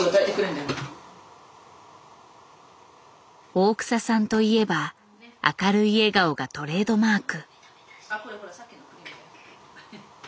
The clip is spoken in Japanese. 大草さんといえば明るい笑顔がトレードマーク。